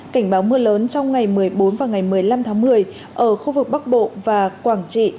cảnh báo mưa lớn trong ngày một mươi bốn và ngày một mươi năm tháng một mươi ở khu vực bắc bộ và quảng trị